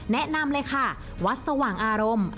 แนะนำเลยค่ะวัดสว่างอารมณ์